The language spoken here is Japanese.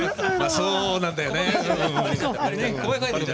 そうなんだよね！